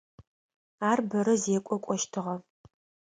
Ар бэрэ зекӏо кӏощтыгъэ.